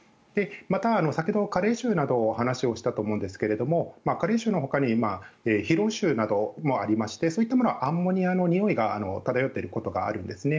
また、先ほど加齢臭などのお話をしたと思うんですが加齢臭のほかに疲労臭などもありましてそういったものはアンモニアのにおいが漂っていることがあるんですね。